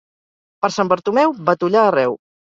Per Sant Bartomeu, batollar arreu.